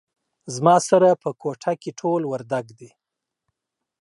زما سره په کوټه کې ټول وردګ دي